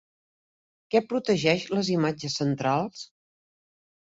Què protegeix les imatges centrals?